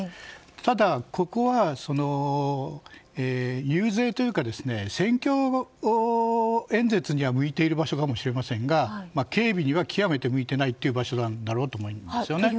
ただ、ここは遊説というか選挙演説には向いている場所かもしれませんが警備にはきわめて向いていない場所なんだろうと思うんですね。